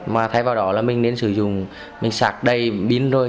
mà thay vào đó là mình nên sử dụng mình sạc đầy pin thôi